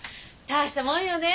大したもんよね！